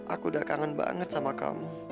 aku udah kangen banget sama kamu